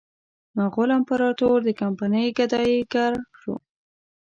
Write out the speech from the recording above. مغول امپراطور د کمپنۍ ګدایي ګر شو.